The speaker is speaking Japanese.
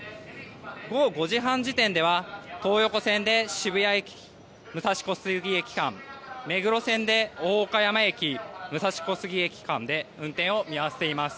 午後５時半時点では東横線で渋谷駅武蔵小杉駅間目黒線で大岡山駅武蔵小杉駅間で運転を見合わせています。